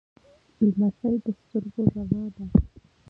لمسی د سترګو رڼا ده.